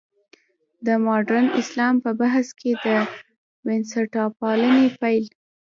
د مډرن اسلام په بحث کې د بنسټپالنې پل.